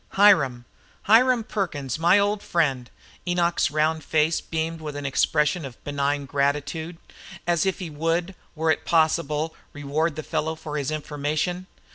"Hiram Hiram Perkins, my ole friend." Enoch's round face beamed with an expression of benign gratitude, as if he would, were it possible, reward the fellow for his information.